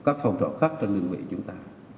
các phong trào khác trong lương vị chúng ta